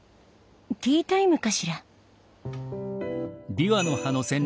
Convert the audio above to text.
ティータイムかしら？